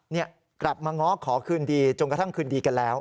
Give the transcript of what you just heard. กลับมาง้อขอคืนดีจนกระทั่งคืนดีกันแล้ว